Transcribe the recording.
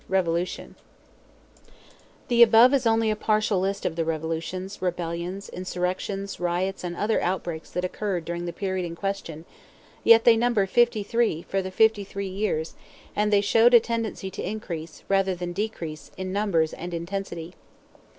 Revolution The above is only a partial list of the revolutions, rebellions, insurrections, riots, and other outbreaks that occurred during the period in question; yet they number fifty three for the fifty three years, and they showed a tendency to increase, rather than decrease, in numbers and intensity.